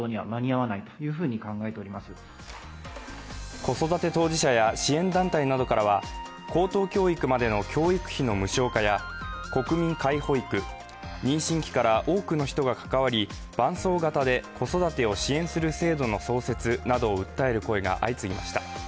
子育て当事者や支援団体などからは高等教育までの教育費の無償化や国民皆保育、妊娠期から多くの人が関わり伴走型で子育てを支援する制度の新設などを訴える声が相次ぎました。